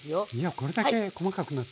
これだけ細かくなって。